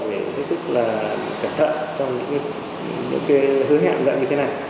phải hết sức là cẩn thận trong những hứa hẹn dạng như thế này